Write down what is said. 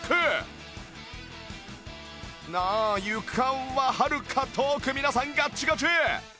まずはあ床ははるか遠く皆さんガッチガチ！